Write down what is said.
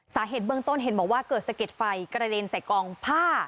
สาเหตุเบื้องต้นเห็นบอกว่าเกิดสะเก็ดไฟกระเด็นใส่กองผ้า